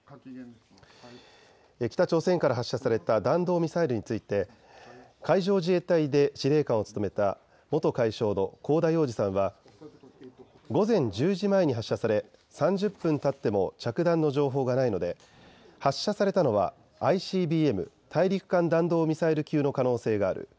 北朝鮮から発射された弾道ミサイルについて海上自衛隊で司令官を務めた元海将の香田洋二さんは午前１０時前に発射され３０分たっても着弾の情報がないので発射されたのはＩＣＢＭ・大陸間弾道ミサイル級の可能性がある。